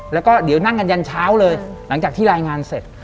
แล้วก็เดี๋ยวนั่งกันยันเช้าเลยหลังจากที่รายงานเสร็จ